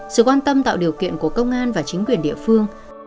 sự quan tâm tạo điều kiện của công an và chính quyền địa phương